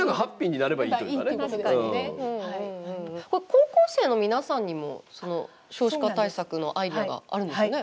高校生の皆さんにも少子化対策のアイデアがあるんですよね。